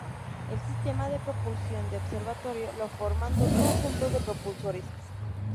El sistema de propulsión del observatorio lo forman dos conjuntos de propulsores.